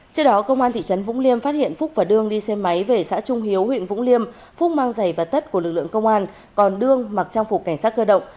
trước đó công an thị trấn vũng liêm phát hiện phúc và đương đi xe máy về xã trung hiếu huyện vũng liêm phúc mang giày và tất của lực lượng công an còn đương mặc trang phục cảnh sát cơ động